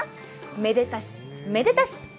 めでたし、めでたし。